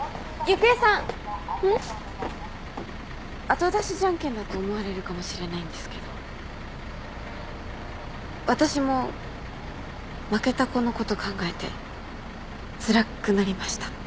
後出しじゃんけんだと思われるかもしれないんですけど私も負けた子のこと考えてつらくなりました。